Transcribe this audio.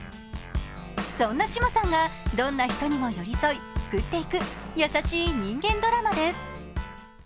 そんな島さんがどんな人にも寄り添い、救っていく優しい人間ドラマです。